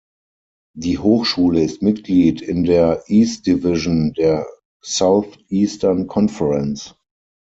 Die Hochschule ist Mitglied in der "East Division" der Southeastern Conference.